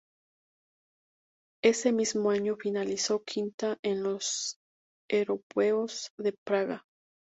Ese mismo año finalizó quinta en los europeos de Praga.